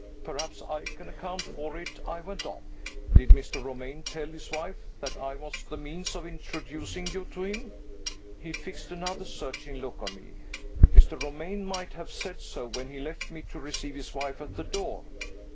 "Perhaps I can account for it," I went on. "Did Mr. Romayne tell his wife that I was the means of introducing you to him?" He fixed another searching look on me. "Mr. Romayne might have said so when he left me to receive his wife at the door."